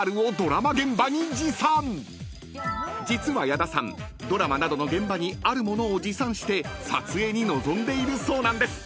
［実は矢田さんドラマなどの現場にあるものを持参して撮影に臨んでいるそうなんです。